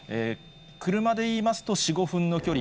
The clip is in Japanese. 車でいいますと、４、５分の距離。